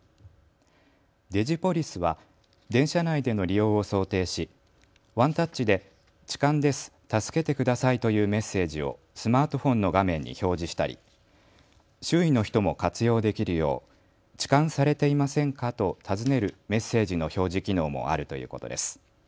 ＤｉｇｉＰｏｌｉｃｅは電車内での利用を想定しワンタッチで痴漢です助けてくださいというメッセージをスマートフォンの画面に表示したり周囲の人も活用できるようちかんされていませんか？と尋ねるメッセージの表示機能もあるということです。